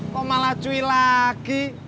kok malah cuy lagi